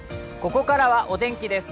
ここからは、お天気です。